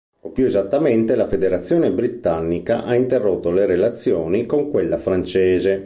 O più esattamente la federazione britannica ha interrotto le relazioni con quella Francese.